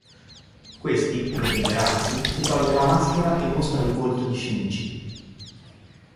Questi, per liberarsi, si toglie la maschera e mostra il volto di Shinichi.